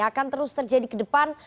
akan terus terjadi ke depan